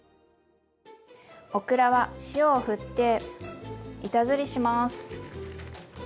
オクラは塩をふって板ずりします。